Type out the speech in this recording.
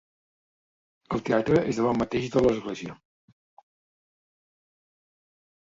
El teatre és davant mateix de l'església.